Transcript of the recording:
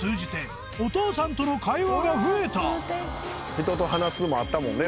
「人と話す」もあったもんね